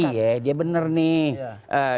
iya dia bener nih